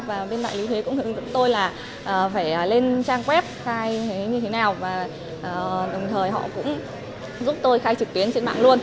và bên mạng yếu thuế cũng phải hướng dẫn tôi là phải lên trang web khai như thế nào và đồng thời họ cũng giúp tôi khai trực tuyến trên mạng luôn